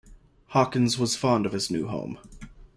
Hawkins was fond of his new home.